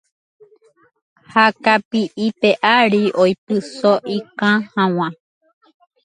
ha kapi'ipe ári oipyso ikã hag̃ua.